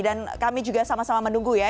dan kami juga sama sama menunggu ya